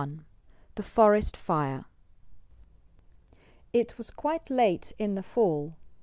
XXI THE FOREST FIRE It was quite late in the fall.